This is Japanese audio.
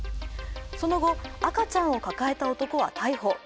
その後、赤ちゃんを抱えた男は逮捕。